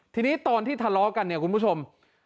ทีนี้ตอนที่ทะเลาะกันเนี่ยคุณผู้ชม